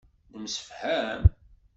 Nemsefham.